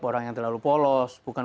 orang yang terlalu polos bukan